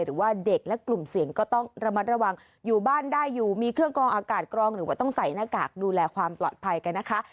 หรือว่าเด็กและกลุ่มเสี่ยงก็ต้องระมัดระวังอยู่บ้านได้อยู่มีเครื่องกองอากาศกรองหรือว่าต้องใส่หน้ากากดูแลความปลอดภัยกันนะคะ